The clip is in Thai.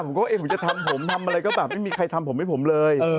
ผมก็ว่าผมจะทำผมทำอะไรก็แบบไม่มีใครทำผมให้ผมเลย